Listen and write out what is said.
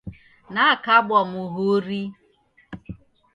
Nakabwa muhuri.